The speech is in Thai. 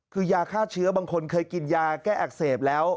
คือยาฆ่าเชื้อบางคนเคยกินยาแก้อักเสบแล้ว